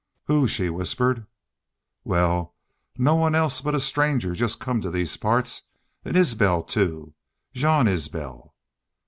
"Who? she whispered. "Wal, no one else but a stranger jest come to these parts an Isbel, too. Jean Isbel."